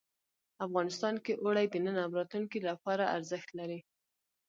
افغانستان کې اوړي د نن او راتلونکي لپاره ارزښت لري.